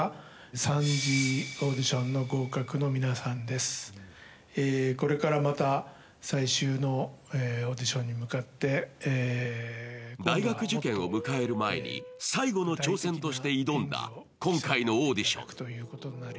そしてこれからまた最終のオーディションに向かって大学受験を迎える前に最後の挑戦として挑んだ今回のオーディション。